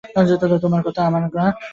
তোমার কথা, আমার না।